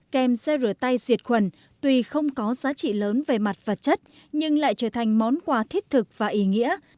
kèm xe rửa tay diệt khuẩn tuy không có giá trị lớn về mặt vật chất nhưng lại trở thành món quà thiết thực và ý nghĩa